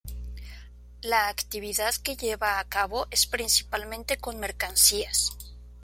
La actividad que lleva a cabo es principalmente con mercancías.